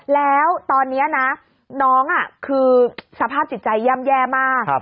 แล้วตอนนี้นะน้องคือสภาพจิตใจย่ำแย่มาก